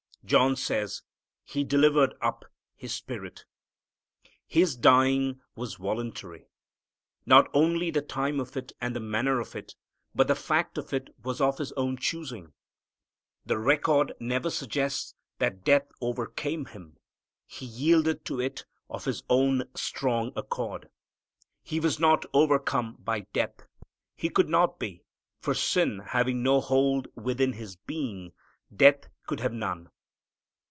John says, "He delivered up His spirit." His dying was voluntary. Not only the time of it and the manner of it, but the fact of it was of His own choosing. The record never suggests that death overcame Him. He yielded to it of His own strong accord. He was not overcome by death. He could not be, for sin having no hold within His being, death could have none.